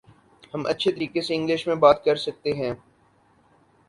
ہم اچھے طریقے سے انگلش میں بات کر سکتے ہیں